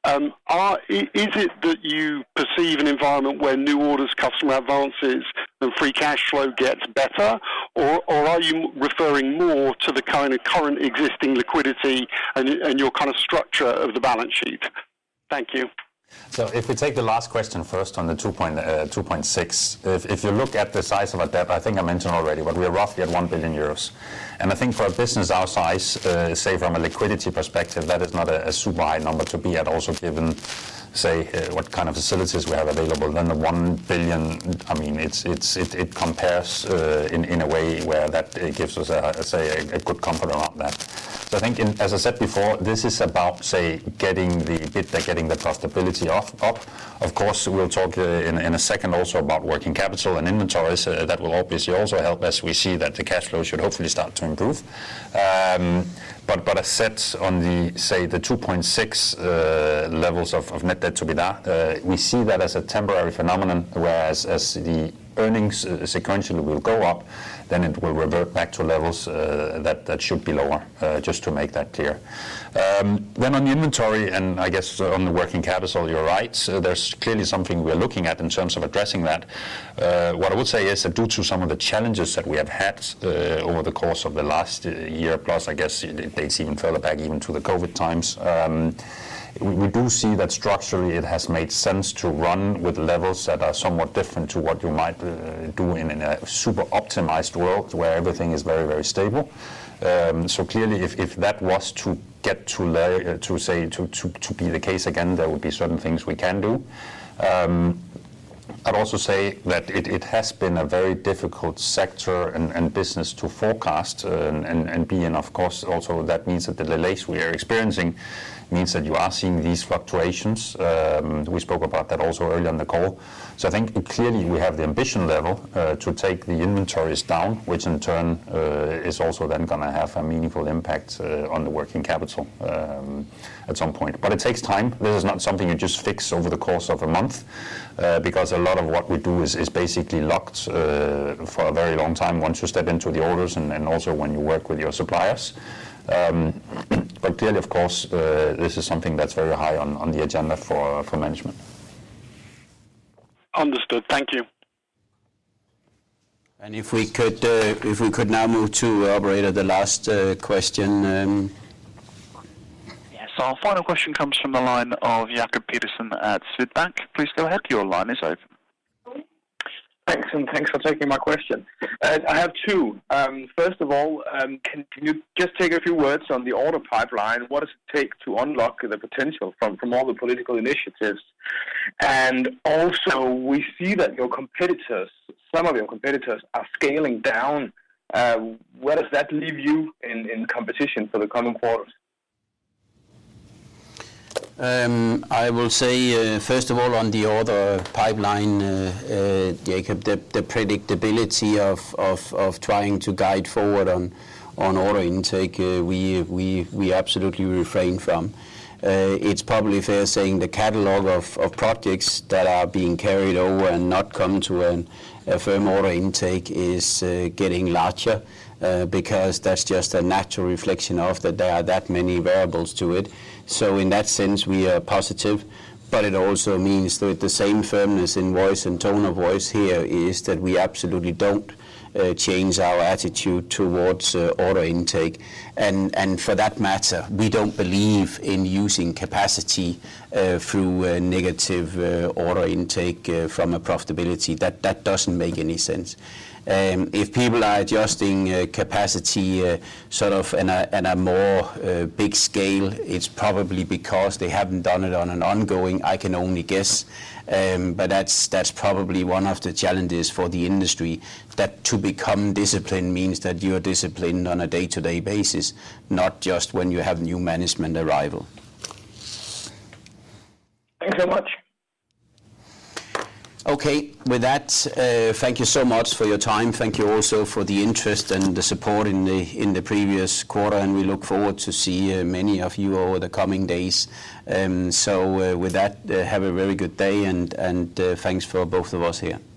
Is it that you perceive an environment where new orders, customer advances and free cash flow gets better? Or are you referring more to the kind of current existing liquidity and your kind of structure of the balance sheet? Thank you. If we take the last question first on the 2.6. If you look at the size of our debt, I think I mentioned already, but we're roughly at 1 billion euros. I think for a business our size, say from a liquidity perspective, that is not a super high number to be at also given, say, what kind of facilities we have available. The one billion, I mean, it compares in a way where that gives us a good comfort around that. I think, as I said before, this is about, say, getting the profitability up. Of course, we'll talk in a second also about working capital and inventories. That will obviously also help as we see that the cash flow should hopefully start to improve. Assets on the, say, 2.6 levels of net debt to EBITDA, we see that as a temporary phenomenon, whereas the earnings sequentially will go up, it will revert back to levels that should be lower, just to make that clear. On the inventory and I guess on the working capital, you're right. There's clearly something we're looking at in terms of addressing that. What I would say is that due to some of the challenges that we have had over the course of the last year plus, I guess it dates even further back to the COVID times. We do see that structurally it has made sense to run with levels that are somewhat different to what you might do in a super optimized world where everything is very stable. Clearly if that was to get to a level to be the case again, there would be certain things we can do. I'd also say that it has been a very difficult sector and business to forecast and be, and of course also that means that the delays we are experiencing means that you are seeing these fluctuations. We spoke about that also earlier on the call. I think clearly we have the ambition level to take the inventories down, which in turn is also then gonna have a meaningful impact on the working capital at some point. It takes time. This is not something you just fix over the course of a month, because a lot of what we do is basically locked for a very long time once you step into the orders and also when you work with your suppliers. Clearly, of course, this is something that's very high on the agenda for management. Understood. Thank you. If we could now move to operator, the last question. Yes. Our final question comes from the line of Jacob Pedersen at Sydbank. Please go ahead. Your line is open. Thanks, thanks for taking my question. I have two. First of all, can you just take a few words on the order pipeline? What does it take to unlock the potential from all the political initiatives? Also, we see that your competitors, some of your competitors are scaling down. Where does that leave you in competition for the coming quarters? I will say, first of all, on the order pipeline, Jacob, the predictability of trying to guide forward on order intake we absolutely refrain from. It's probably fair to say the catalog of projects that are being carried over and not come to a firm order intake is getting larger because that's just a natural reflection of that there are that many variables to it. In that sense, we are positive, but it also means that the same firmness in voice and tone of voice here is that we absolutely don't change our attitude towards order intake. For that matter, we don't believe in using capacity through negative order intake from a profitability. That doesn't make any sense. If people are adjusting capacity sort of in a more big scale, it's probably because they haven't done it on an ongoing, I can only guess. That's probably one of the challenges for the industry, that to become disciplined means that you are disciplined on a day-to-day basis, not just when you have new management arrival. Thanks so much. Okay. With that, thank you so much for your time. Thank you also for the interest and the support in the previous quarter, and we look forward to see many of you over the coming days. With that, have a very good day and thanks for both of us here.